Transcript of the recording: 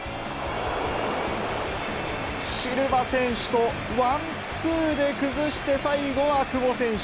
シルバ選手とワンツーで崩して、最後は久保選手。